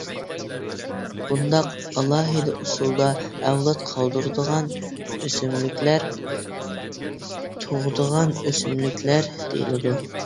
بۇنداق ئالاھىدە ئۇسۇلدا ئەۋلاد قالدۇرىدىغان ئۆسۈملۈكلەر» تۇغىدىغان ئۆسۈملۈكلەر «دېيىلىدۇ.